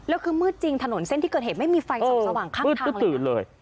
แล้วคือมืดจริงถนนเส้นที่เกิดเห็นไม่มีไฟสว่างข้างทางเลย